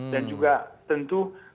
dan juga tentu